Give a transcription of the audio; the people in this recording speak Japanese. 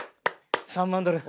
３万ドル。